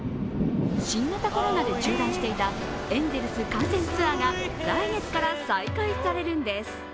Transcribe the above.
新型コロナで中断していたエンゼルス観戦ツアーが来月から再開されるんです。